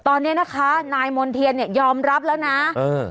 ตอนเนี้ยนะคะนายมนเทียเนี้ยยอมรับแล้วนะอืม